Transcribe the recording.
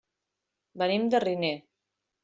Venim de Riner.